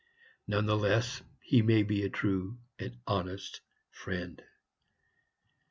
None the less he may be a true and honest friend.